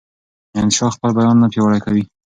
انشا خپل بیان نه پیاوړی کوي.